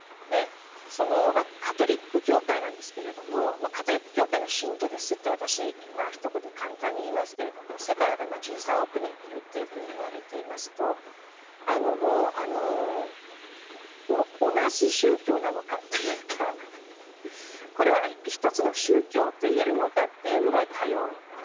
そのカトリック教会なんですけれどもカトリック教会の信徒ですって私ひと言で簡単に言いますけれども世界の中で１３億人いるというふうに言われていますともう同じ宗教なのかっていうかこれは一つの宗教と言えるのかというぐらい多様なわけですよね。